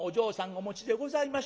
お持ちでございましてね